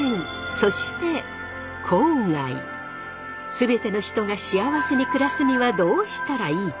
全ての人が幸せに暮らすにはどうしたらいいか？